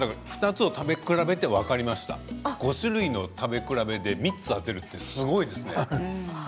２つを食べ比べて分かりました、５種類の食べ比べて３つ当てるってすごいですね。